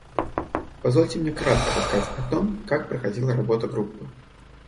Позвольте мне кратко рассказать о том, как проходила работа Группы.